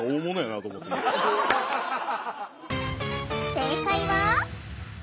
正解は？